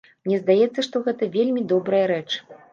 Мне здаецца, што гэта вельмі добрая рэч.